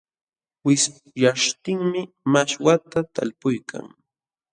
Wishyaśhtinmi mashwata talpuykan.